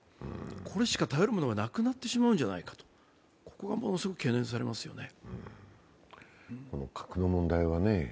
ここしか頼るものがなくなってしまうんじゃないか、ここがものすごく懸念されますね。